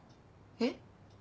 えっ？